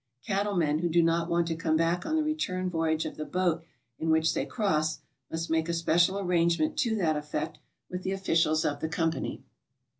Cattlemen who do not want to come back on the return voyage of the boat in which they cross, must make a special arrangement to thiat effect with the officials of the company.